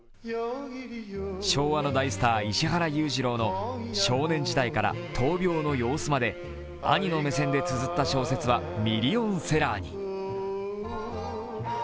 昭和の大スター・石原裕次郎の少年時代から闘病の様子まで兄の目線でつづった小説はミリオンセラーに。